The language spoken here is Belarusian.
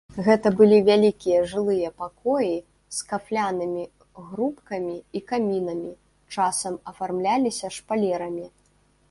Гэта былі вялікія жылыя пакоі з кафлянымі грубкамі і камінамі, часам афармляліся шпалерамі.